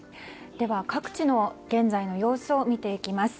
各地の現在の様子見ていきます。